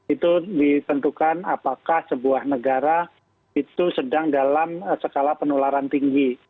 itu ditentukan apakah sebuah negara itu sedang dalam skala penularan tinggi